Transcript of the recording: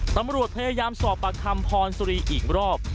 ตำรวจพยายามสอบปากคำพรสุรีอีกรอบ